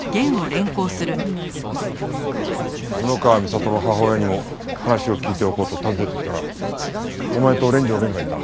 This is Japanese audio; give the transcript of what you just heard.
布川美里の母親にも話を聞いておこうと訪ねてきたらお前と連城源がいた。